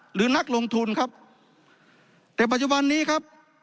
หรือนักลงทุนครับแต่ปัจจุบันนี้ครับ